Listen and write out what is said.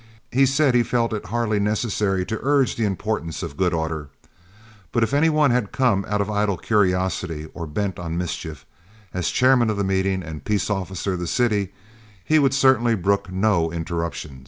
He said he felt it hardly necessary to urge the importance of good order, but if any one had come out of idle curiosity or bent on mischief, as chairman of the meeting and a peace officer of the city, he would certainly brook no interruption.